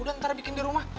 udah ntar bikin di rumah